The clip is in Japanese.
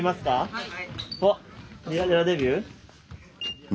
はい。